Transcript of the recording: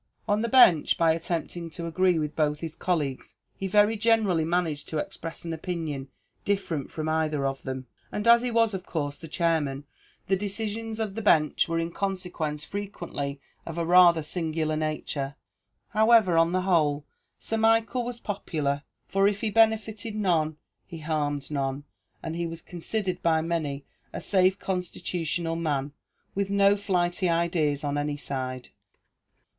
On the bench, by attempting to agree with both his colleagues, he very generally managed to express an opinion different from either of them; and as he was, of course, the chairman, the decisions of the bench were in consequence frequently of a rather singular nature; however, on the whole, Sir Michael was popular, for if he benefited none, he harmed none; and he was considered by many a safe constitutional man, with no flighty ideas on any side.